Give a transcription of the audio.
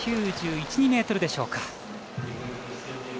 ９１２ｍでしょうか。